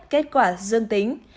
kết quả dương tính